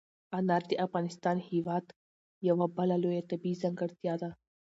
انار د افغانستان هېواد یوه بله لویه طبیعي ځانګړتیا ده.